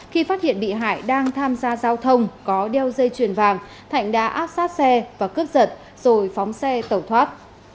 khi phát hiện bị hại đang tham gia giao thông có đeo dây chuyền vàng thạnh đã áp sát xe và cướp giật rồi phóng xe tẩu thoát